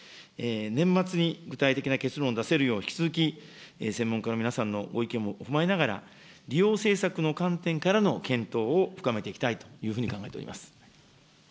年末に具体的な結論を出せるよう、引き続き専門家の皆さんのご意見も踏まえながら、利用政策の観点からの検討を深めていきたいというふうに考えております。